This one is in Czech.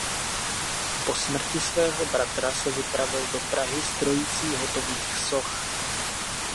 Po smrti svého bratra se vypravil do Prahy s trojicí hotových soch.